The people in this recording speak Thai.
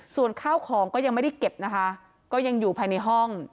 ส่วนข้าวของก็ยังไม่ได้เก็บนะคะก็ยังอยู่ภายในห้อง